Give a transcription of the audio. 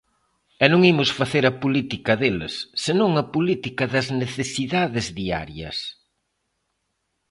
E non imos facer a política deles, senón a política das necesidades diarias.